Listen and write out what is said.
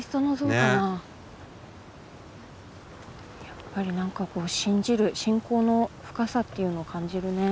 やっぱり何か信じる信仰の深さっていうのを感じるね。